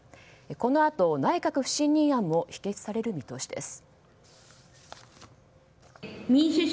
このあと内閣不信任案も否決される見通しです。